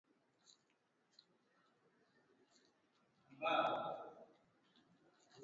Wanajeshi wa Marekani wasiozidi mia tano